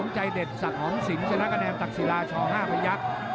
ใจเด็ดสักหองสินชนะกระแนนตักศิราช๕บรรยาก